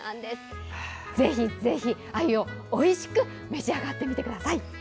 ぜひぜひ、あゆをおいしく召し上がってみてください。